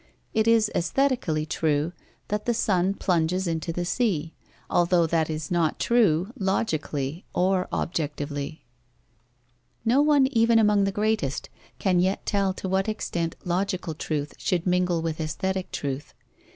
It is aesthetically true that the sun plunges into the sea, although that is not true logically or objectively. No one, even among the greatest, can yet tell to what extent logical truth should mingle with aesthetic truth.